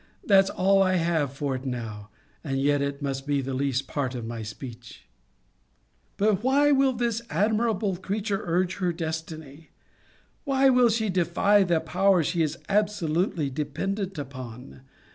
That's all I have for it now: and yet it must be the least part of my speech. But why will this admirable creature urge her destiny? Why will she defy the power she is absolutely dependent upon?